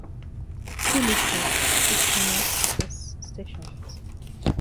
See List of fictional space stations.